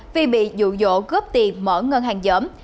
vì bị dụ dỗ góp tiền mở ngân hàng giởm